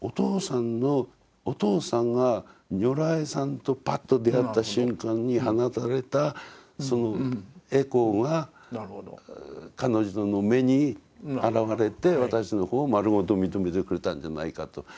お父さんが如来さんとパッと出会った瞬間に放たれたその回向が彼女の目にあらわれて私の方を丸ごと認めてくれたんじゃないかと。